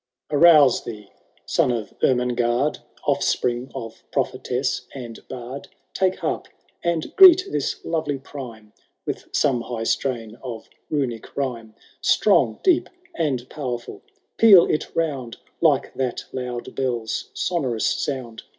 V. Arouse thee, son of Ermengarde, Offspring of prophetess and bard ! Take harp, and greet this lovely prime With some high strain of Runic rh3rme. Strong, deep, and powerful I Peal it round Like that loud bell\i sonorous sound.